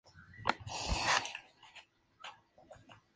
Las crías son más oscuras.